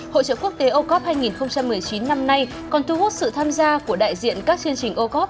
hội trợ quốc tế ocob hai nghìn một mươi chín năm nay còn thu hút sự tham gia của đại diện các chương trình ocob